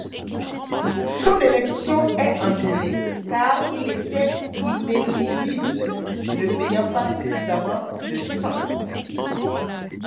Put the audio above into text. Son élection est annulée, car il était inéligible, ne payant pas suffisamment de cens.